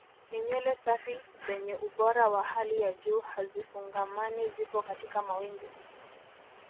Ni nywele safi zenye ubora wa hali ya juu hazifungamani zipo katika mawimbi